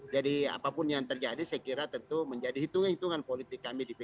jadi apapun yang terjadi saya kira tentu menjadi hitungan hitungan politik kami di p tiga